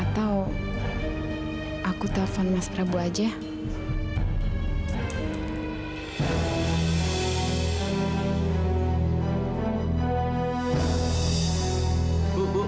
tapi harusnya orang itu adalah zahir